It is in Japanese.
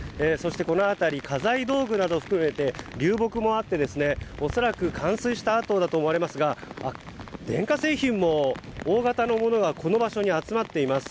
この辺り、家財道具などを含めて流木もありおそらく冠水した後だと思われますが電化製品も大型のものがこの場所に集まっています。